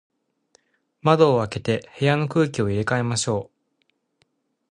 窓を開けて、部屋の空気を入れ替えましょう。